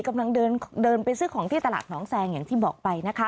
กำลังเดินไปซื้อของที่ตลาดหนองแซงอย่างที่บอกไปนะคะ